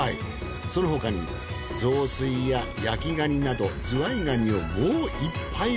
その他に雑炊や焼きガニなどズワイガニをもう１杯分。